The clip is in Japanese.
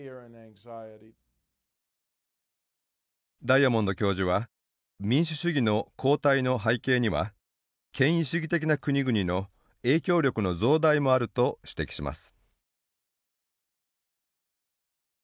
ダイアモンド教授は民主主義の後退の背景には権威主義的な国々の影響力の増大もあると指摘します。